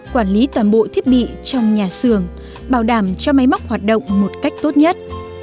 quản lý toàn bộ thiết bị trong nhà xưởng bảo đảm cho máy móc hoạt động một cách tốt nhất